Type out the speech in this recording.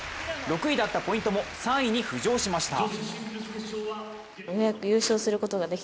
６位だったポイントも、３位に浮上しました。